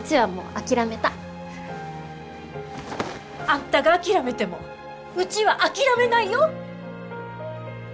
あんたが諦めてもうちは諦めないよ！